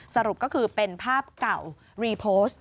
สรุปก็คือเป็นภาพเก่ารีโพสต์